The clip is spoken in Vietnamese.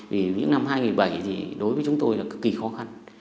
vì những năm hai nghìn bảy thì đối với chúng tôi là cực kỳ khó khăn